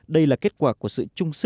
đây là kết quả của sự trung sức